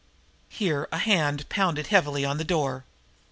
Here a hand pounded heavily on the door.